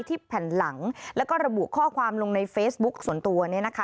แผ่นหลังแล้วก็ระบุข้อความลงในเฟซบุ๊คส่วนตัวเนี่ยนะคะ